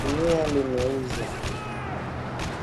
Gunia limeuzwa.